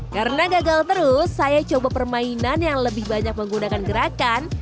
karena gagal terus saya coba permainan yang lebih banyak menggunakan gerakan